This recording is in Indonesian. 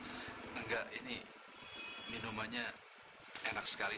enggak ini minumannya enak sekali